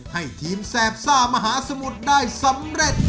ให้ทีมแสบซ่ามหาสมุทรได้สำเร็จ